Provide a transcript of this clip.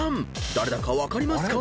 誰だか分かりますか？］